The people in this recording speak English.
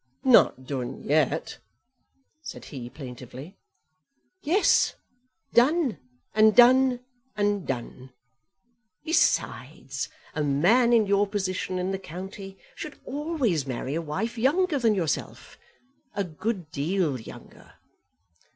"Not done yet," said he plaintively. "Yes; done, and done, and done. Besides, a man in your position in the county should always marry a wife younger than yourself, a good deal younger."